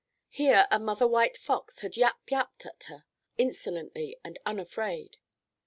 Here a mother white fox had yap yaped at her, insolently and unafraid.